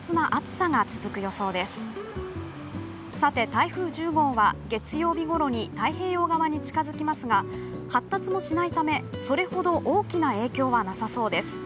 台風１０号は月曜日ごろに太平洋側に近づきますが、発達もしないためそれほど大きな影響はなさそうです。